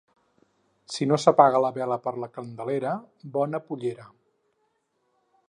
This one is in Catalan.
Si no s'apaga la vela per la Candelera, bona pollera.